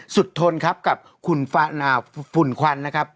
สุดทนครับกับขุนฝาอ่าฝุ่นขวัญนะครับ